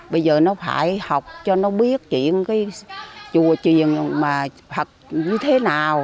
bây giờ nó phải học cho nó biết chuyện cái chùa truyền mà thật như thế nào